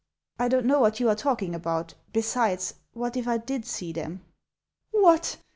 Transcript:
" I don't know what you are talking about. Besides, what if I did see them I "" What !